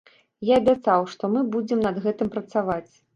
Я абяцаў, што мы будзем над гэтым працаваць.